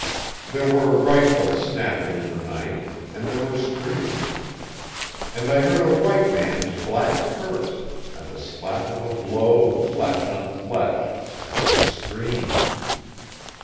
There were rifles snapping in the night; and there were screams. And I heard a white man's black curse; and the slap of a blow of flesh on flesh. And the screams.